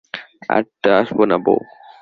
আর তো আসব না বৌ।